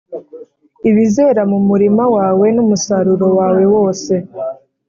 ibizera mu murima wawe n’umusaruro wawe wose